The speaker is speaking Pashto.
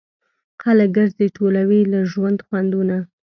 خلک ګرځي ټولوي له ژوند خوندونه